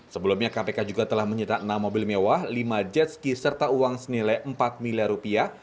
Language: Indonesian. sebelumnya kpk juga telah menyita enam mobil mewah lima jet ski serta uang senilai empat miliar rupiah